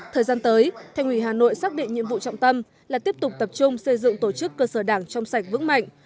thời gian tới thành ủy hà nội xác định nhiệm vụ trọng tâm là tiếp tục tập trung xây dựng tổ chức cơ sở đảng trong sạch vững mạnh